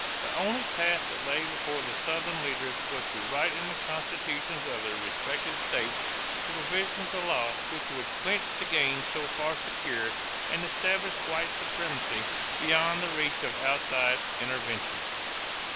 The only task that lay before the Southern leaders was to write in the constitutions of their respective states the provisions of law which would clinch the gains so far secured and establish white supremacy beyond the reach of outside intervention.